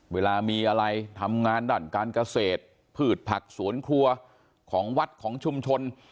เวลามีอะไรทำงานด้านการเกษตรพืชผักสวนครัวของวัดของชุมชน